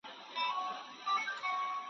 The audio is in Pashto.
ملنګه ! په اخبار کښې يو خبر هم ﺯمونږ نشته `